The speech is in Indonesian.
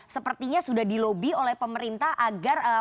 sepertinya sudah dilobi oleh pemerintah agar perpu ini selesai